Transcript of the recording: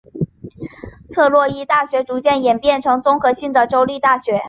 特洛伊大学逐渐演变成综合性的州立大学。